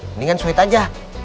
mendingan suit aja